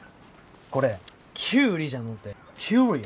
これキュウリじゃのうてキュウリオ。